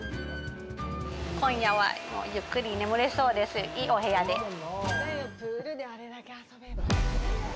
今夜は、ゆっくり眠れそうです、いいお部屋で。